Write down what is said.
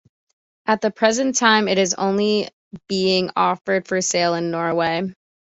At the present time, it is only being offered for sale in Norway.